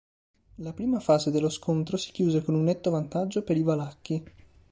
La prima fase dello scontro si chiuse con un netto vantaggio per i valacchi.